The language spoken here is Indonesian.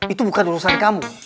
itu bukan urusan kamu